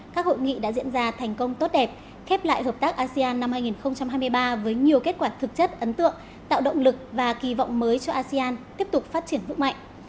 các hội nghị đã diễn ra thành công tốt đẹp khép lại hợp tác asean năm hai nghìn hai mươi ba với nhiều kết quả thực chất ấn tượng tạo động lực và kỳ vọng mới cho asean tiếp tục phát triển vững mạnh